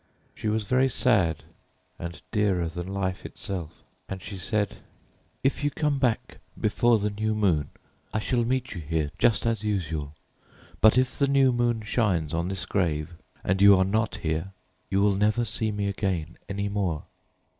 She was very sad, and dearer than life itself. And she said— "'If you come back before the new moon I shall meet you here just as usual. But if the new moon shines on this grave and you are not here—you will never see me again any more.'